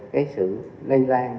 cái sự lây lan